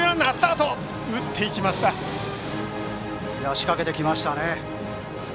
仕掛けてきましたね。